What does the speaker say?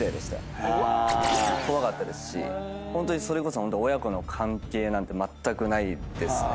怖かったですしホントにそれこそ親子の関係なんてまったくないですね。